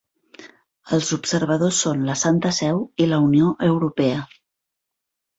Els observadors són la Santa Seu i la Unió Europea.